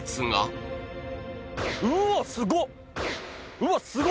うわっ、すご！